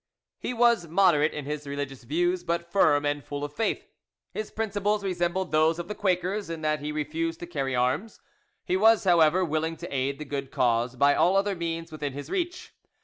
He was moderate in his religious views, but firm and full of faith; his principles resembled those of the Quakers in that he refused to carry arms; he was, however, willing to aid the good cause by all other means within his reach.